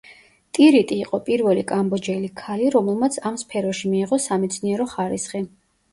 ტირიტი იყო პირველი კამბოჯელი ქალი, რომელმაც ამ სფეროში მიიღო სამეცნიერო ხარისხი.